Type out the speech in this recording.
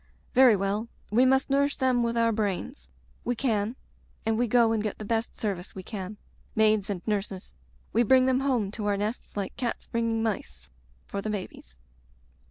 Very well; we must nourish them with our brains. We can. And we go and get the best service we can, maids and nurses; we bring them home to our nests like cats bringing mice — ^for the babies.